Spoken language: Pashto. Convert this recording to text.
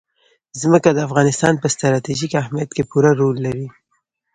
ځمکه د افغانستان په ستراتیژیک اهمیت کې پوره رول لري.